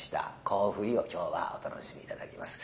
「甲府ぃ」を今日はお楽しみ頂きます。